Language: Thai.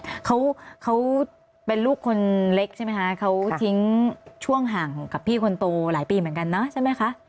เขาเขาเป็นลูกคนเล็กใช่ไหมคะเขาทิ้งช่วงห่างกับพี่คนโตหลายปีเหมือนกันเนอะใช่ไหมคะ